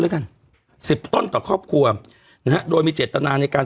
อืมอืมอืมอืมอืม